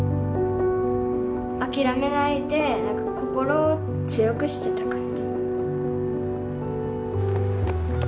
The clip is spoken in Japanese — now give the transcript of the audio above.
諦めないでなんか心を強くしてた感じ